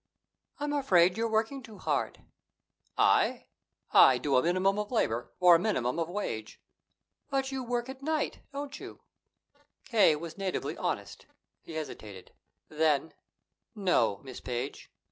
"I'm afraid you're working too hard." "I? I do a minimum of labor for a minimum of wage. "But you work at night, don't you?" K. was natively honest. He hesitated. Then: "No, Miss Page."